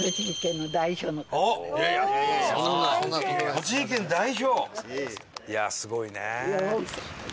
栃木県代表？